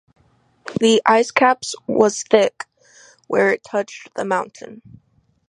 The ice cap was thick where it touched the mountain.